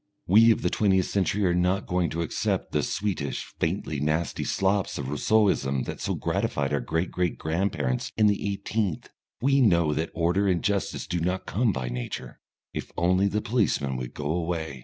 We of the twentieth century are not going to accept the sweetish, faintly nasty slops of Rousseauism that so gratified our great great grandparents in the eighteenth. We know that order and justice do not come by Nature "if only the policeman would go away."